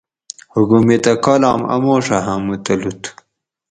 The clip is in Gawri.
حکومیتہ کالام آۤموڛہ ہامو تلوت